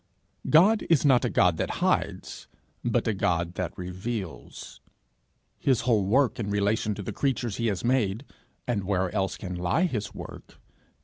God is not a God that hides, but a God that reveals. His whole work in relation to the creatures he has made and where else can lie his work?